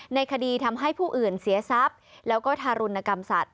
ในคดีทำให้ผู้อื่นเสียทรัพย์แล้วก็ทารุณกรรมสัตว